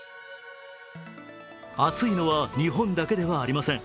暑いのは日本だけではありません。